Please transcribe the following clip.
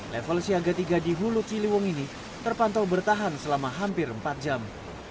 level siaga tiga di hulu ciliwung ini terpantau bertahan selama hampir empat jam